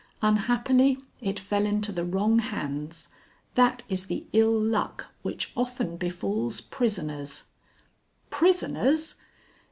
Unhappily it fell into the wrong hands. That is the ill luck which often befalls prisoners." "Prisoners?"